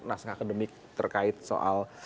naskah akademik terkait soal